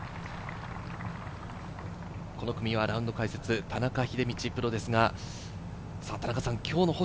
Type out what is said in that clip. この組はラウンド解説、田中秀道プロです。